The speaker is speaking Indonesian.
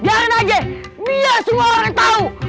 biarin aja biar semua orang tau